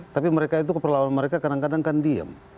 tapi mereka itu keperlawanan mereka kadang kadang kan diem